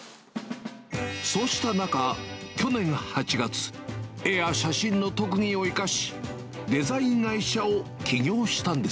そうした中、去年８月、絵や写真の特技を生かし、デザイン会社を起業したんです。